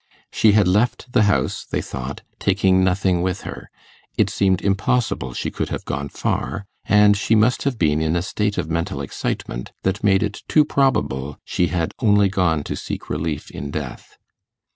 She had left the house, they thought, taking nothing with her; it seemed impossible she could have gone far; and she must have been in a state of mental excitement, that made it too probable she had only gone to seek relief in death.